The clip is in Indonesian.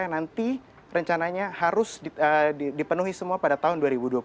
yang nanti rencananya harus dipenuhi semua pada tahun dua ribu dua puluh